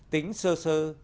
tính sơ sơ